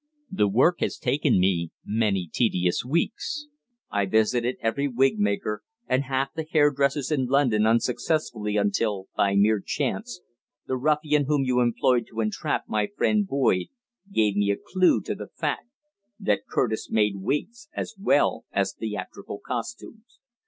The work has taken me many tedious weeks. I visited every wig maker and half the hairdressers in London unsuccessfully until, by mere chance, the ruffian whom you employed to entrap my friend Boyd gave me a clue to the fact that Curtis made wigs as well as theatrical costumes.